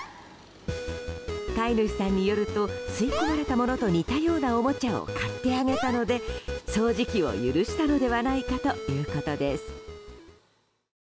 飼い主さんによると吸い込まれたものと似たようなおもちゃを買ってあげたので掃除機を許したのではないかということです。